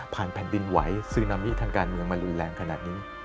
แผ่นดินไหวซึนามิทางการเมืองมารุนแรงขนาดนี้